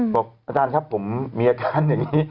บอกอาจารย์ครับผมมีอจารย์อย่างนี้